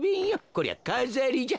こりゃかざりじゃ。